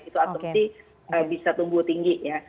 itu asumsi bisa tumbuh tinggi ya